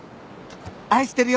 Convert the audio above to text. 愛してるよ。